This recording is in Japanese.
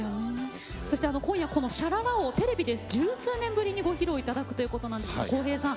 そして今夜この「ｓｈａｌａｌａ」をテレビで十数年ぶりにご披露頂くということなんですがＫＯ−ＨＥＹさん